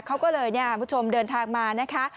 เขาก็เลยคุณผู้ชมเดินทางมานะคะ